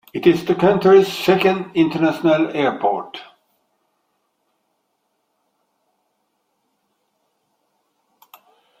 It is the country's second international airport.